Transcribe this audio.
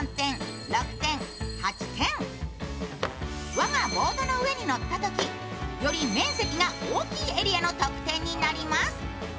輪がボードの上に乗ったとき、より面積が大きいエリアの得点になります。